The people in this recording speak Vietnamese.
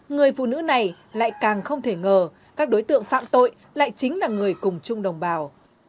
người phụ nữ này lại càng không thể ngờ các đối tượng phạm tội lại chính là người cùng chung đồng bào